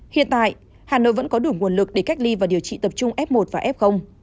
hiện tại hà nội vẫn có đủ nguồn lực để cách ly và điều trị tập trung f một và f